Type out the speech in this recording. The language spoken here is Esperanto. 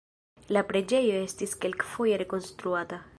La preĝejo estis kelkfoje rekonstruata.